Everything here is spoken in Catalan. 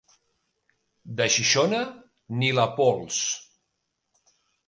De Xixona, ni la pols.